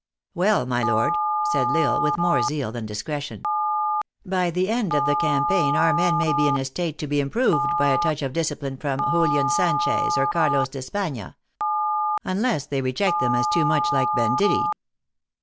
" Well, my lord," said L Isle, with more zeal than discretion, " by the end of the campaign our men may be in a state to be improved by a touch of discipline from Julian Sanchez or Carlos d?~Espana, unless they reject them as too much like banditti